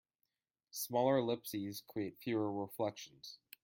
Smaller ellipses create fewer reflections.